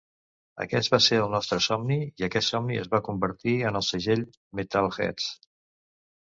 Aquest va ser el nostre somni i aquest somni es va convertir en el segell Metalheadz.